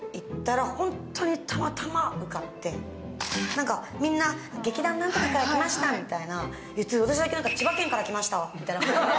なんか、みんな劇団なんとかから来ましたって言ってたけど私だけ千葉県から来ましたって。